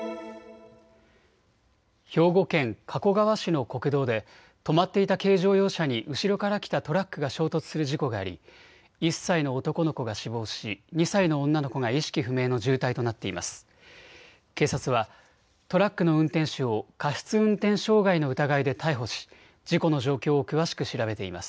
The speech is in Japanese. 兵庫県加古川市の国道で止まっていた軽乗用車に後ろから来たトラックが衝突する事故があり１歳の男の子が死亡し、２歳の女の子が意識不明の重体となっています。